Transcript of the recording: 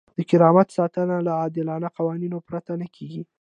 د کرامت ساتنه له عادلانه قوانینو پرته نه کیږي.